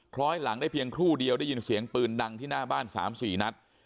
ล้อยหลังได้เพียงครู่เดียวได้ยินเสียงปืนดังที่หน้าบ้าน๓๔นัด